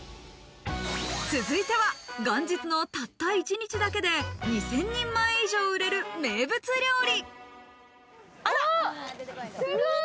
続いては元日のたった一日だけで２０００人前以上、売れる名物料理。